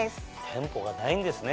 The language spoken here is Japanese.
店舗がないんですね